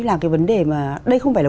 là cái vấn đề mà đây không phải là